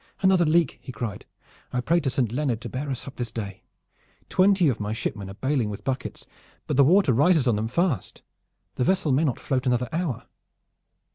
"Another leak!" he cried. "I pray to Saint Leonard to bear us up this day! Twenty of my shipmen are bailing with buckets, but the water rises on them fast. The vessel may not float another hour."